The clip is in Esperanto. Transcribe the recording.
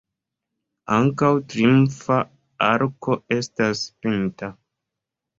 Ankaŭ triumfa arko estas pinta.